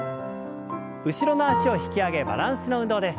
後ろの脚を引き上げバランスの運動です。